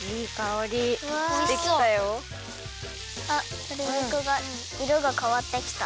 あっとり肉がいろがかわってきた。